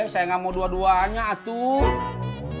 saya gak mau dua duanya atuh